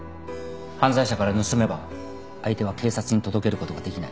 犯罪者から盗めば相手は警察に届けることができない。